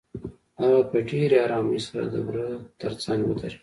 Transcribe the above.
هغه په ډېرې آرامۍ سره د وره تر څنګ ودرېده.